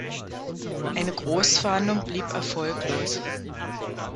Eine Großfahndung blieb erfolglos.